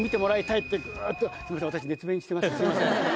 すいません。